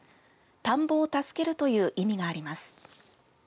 田んぼを助けるという意味があります。